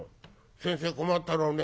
先生困ったろうね。